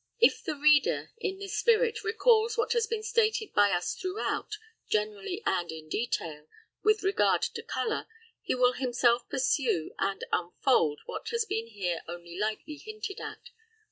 If the reader, in this spirit, recalls what has been stated by us throughout, generally and in detail, with regard to colour, he will himself pursue and unfold what has been here only lightly hinted at.